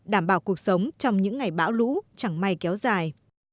đảm bảo cuộc sống trong những ngày bão lũ chẳng may kéo dài